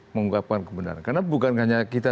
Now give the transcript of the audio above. mengungkapkan kebenaran karena bukan hanya kita